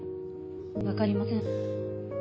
わかりません。